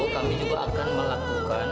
kami juga akan melakukan